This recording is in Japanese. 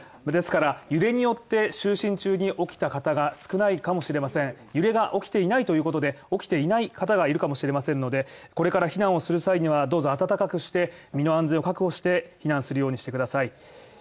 ですから、揺れによって就寝中に起きた方が少ないかもしれません揺れが起きていないということで、起きていない方がいるかもしれませんので、これから避難をする際にはどうぞ暖かくして身の安全を確保して避難するようにしてください。